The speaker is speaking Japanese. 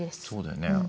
そうだよね。